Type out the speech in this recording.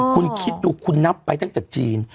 คุณคิดดูคุณนับไปตั้งแต่จีน